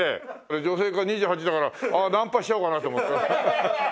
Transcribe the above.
女性２８だからナンパしちゃおうかなって思った。